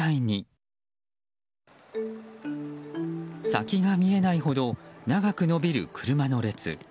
先が見えないほど長く延びる車の列。